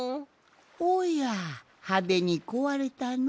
おやはでにこわれたのう。